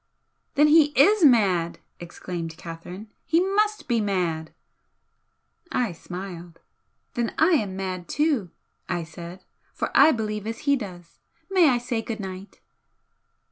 "Then he is mad!" exclaimed Catherine. "He must be mad!" I smiled. "Then I am mad too," I said "For I believe as he does. May I say good night?"